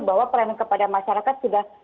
bahwa peran kepada masyarakat sudah